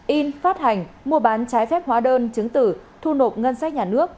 in phát hành mua bán trái phép hóa đơn chứng tử thu nộp ngân sách nhà nước